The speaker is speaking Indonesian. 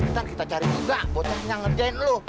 ntar kita cari juga bocah yang ngerjain lo